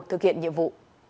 thực hiện nhiệm vụ